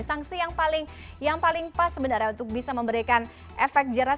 sanksi yang paling pas sebenarnya untuk bisa memberikan efek jerah